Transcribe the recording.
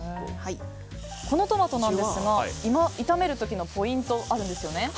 このトマトなんですが炒める時のポイントがあるんですよね。